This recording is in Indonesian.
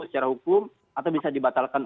secara hukum atau bisa dibatalkan